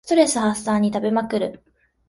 ストレス発散に食べまくる